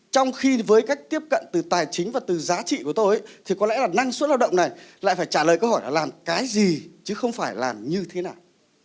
trong khi với cách tiếp cận từ tài chính và từ giá trị của tôi thì có lẽ là năng suất lao động này lại phải trả lời câu hỏi là làm cái gì chứ không phải làm như thế nào